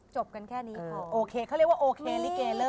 จบกันแข้นี้